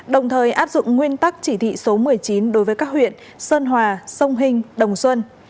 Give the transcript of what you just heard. đồng thời áp dụng nguyên tắc chỉ thị số một mươi chín đối với các huyện sơn hòa sông hình đồng xuân